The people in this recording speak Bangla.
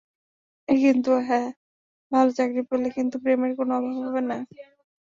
কিন্তু হ্যাঁ, ভালো চাকরি পেলে কিন্তু প্রেমের কোনো অভাব হবে না।